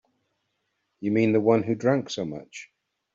You mean the one who drank so much?